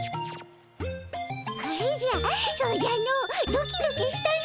おじゃそうじゃのドキドキしたの。